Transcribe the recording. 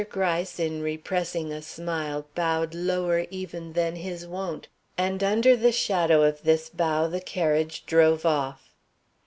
Gryce, in repressing a smile, bowed lower even than his wont, and, under the shadow of this bow, the carriage drove off.